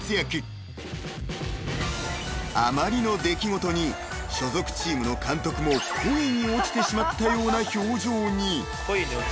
［あまりの出来事に所属チームの監督も恋に落ちてしまったような表情に］